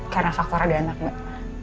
karena faktor ada anak gak